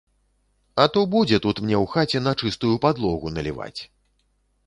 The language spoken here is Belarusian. А то будзе тут мне ў хаце на чыстую падлогу наліваць.